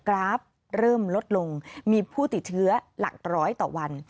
กราฟเริ่มลดลงมีผู้ติดเชื้อหลักร้อยต่อวัน